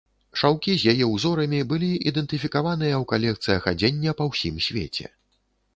Шаўкі з яе ўзорамі былі ідэнтыфікаваныя ў калекцыях адзення па ўсім свеце.